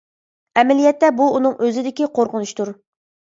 ئەمەلىيەتتە، بۇ ئۇنىڭ ئۆزىدىكى قورقۇنچتۇر.